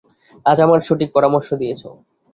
আজ আমায় সঠিক পরামর্শ দিয়েছো।